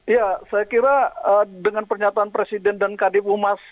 iya saya kira dengan pernyataan presiden dan kadip umas